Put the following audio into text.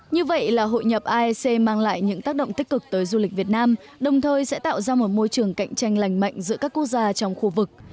như vậy là hội nhập aec mang lại những tác động tích cực tới du lịch việt nam đồng thời sẽ tạo ra một môi trường cạnh tranh lành mạnh giữa các quốc gia trong khu vực